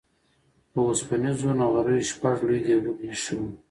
په اوسپنيزو نغريو شپږ لوی ديګونه اېښي وو.